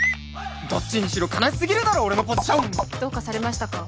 どっちにしろ悲しすぎるだろ俺のポジション！どうかされましたか？